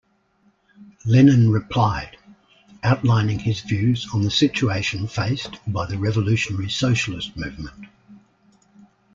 Lenin replied, outlining his views on the situation faced by the revolutionary socialist movement.